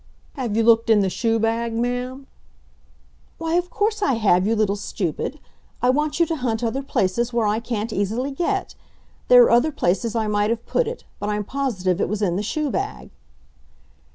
"Have you looked in the shoe bag, ma'am?" "Why, of course I have, you little stupid. I want you to hunt other places where I can't easily get. There are other places I might have put it, but I'm positive it was in the shoe bag."